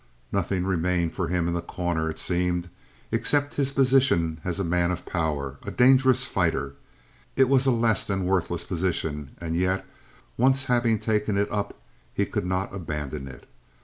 Nothing remained for him in The Corner, it seemed, except his position as a man of power a dangerous fighter. It was a less than worthless position, and yet, once having taken it up, he could not abandon it.